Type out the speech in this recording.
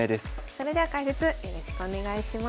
それでは解説よろしくお願いします。